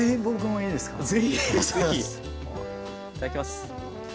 いただきます。